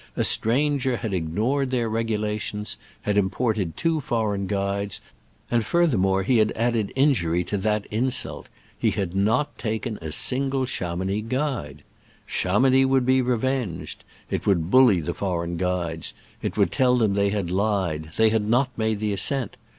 A stranger had ignored their regulations, had imported two foreign guides, and furthermore he had added injury to that insult — he had not taken a single Chamounix guide. Chamounix would be revenged ! It would bully the foreign guides : it would tell them they had lied— ^they had not made the ascent